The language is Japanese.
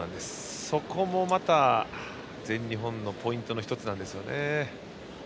そこもまた全日本のポイントの１つなんですよね。